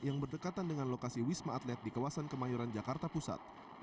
yang berdekatan dengan lokasi wisma atlet di kawasan kemayoran jakarta pusat